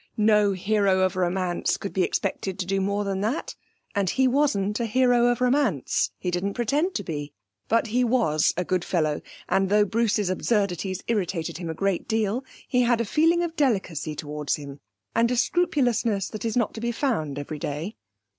No hero of romance could be expected to do more than that, and he wasn't a hero of romance; he didn't pretend to be. But he was a good fellow and though Bruce's absurdities irritated him a great deal he had a feeling of delicacy towards him, and a scrupulousness that is not to be found every day.